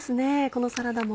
このサラダも。